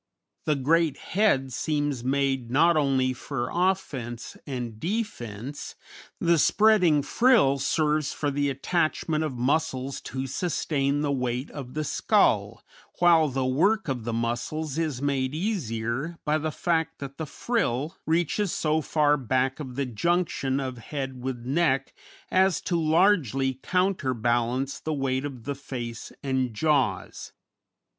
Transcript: The great head seems made not only for offence and defence; the spreading frill serves for the attachment of muscles to sustain the weight of the skull, while the work of the muscles is made easier by the fact that the frill reaches so far back of the junction of head with neck as to largely counterbalance the weight of the face and jaws.